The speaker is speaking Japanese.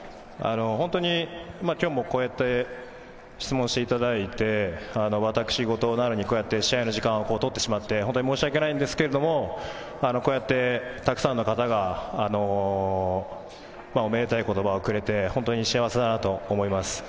本当に今日もこうやって質問していただいて、私事なのにこうやって試合の時間を取ってしまって申し訳ないんですけど、こうやってたくさんの方がおめでたい言葉をくれて、本当に幸せだなと思います。